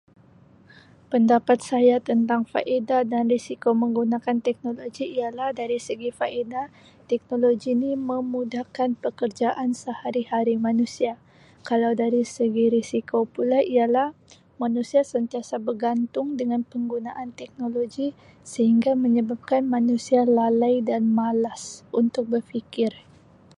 Pendapat saya tentang faedah dan risiko menggunakan teknologi ialah dari segi faedah teknologi ni memudahkan pekerjaan sehari-hari manusia. Kalau dari segi risiko pula ialah manusia sentiasa bergantung dengan penggunaan teknologi sehingga menyebabkan manusia lalai dan malas untuk berfikir.